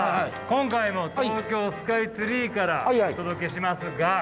今回も東京スカイツリーからお届けしますが。